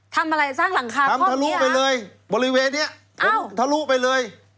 ทำอะไรสร้างหลังคาข้อมนี้อ่ะทำทะลุไปเลยบริเวณนี้ทะลุไปเลย